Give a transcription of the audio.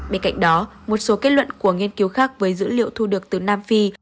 bên cạnh đó một số kết luận của nghiên cứu khác với dữ liệu thu được từ nam phi